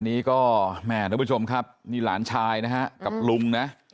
นี้ก็แม่ทุกผู้ชมครับนี่หลานชายนะฮะกับลุงนะ